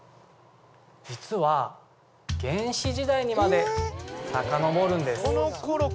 実は原始時代にまでさかのぼるんです